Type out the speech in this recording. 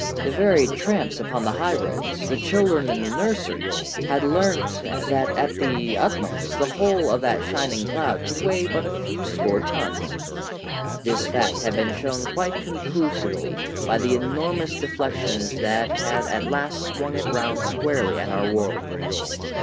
The very tramps upon the high roads, the children in the nursery, had learnt that at the utmost the whole of that shining cloud could weigh but a few score tons. This fact had been shown quite conclusively by the enormous deflections that had at last swung it round squarely at our world.